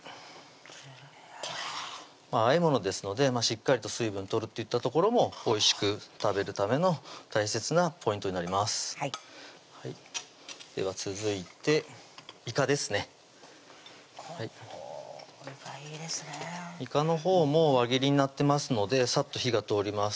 和えものですのでしっかりと水分取るっていったところもおいしく食べるための大切なポイントになりますでは続いていかですねほういかいいですねいかのほうも輪切りになってますのでサッと火が通ります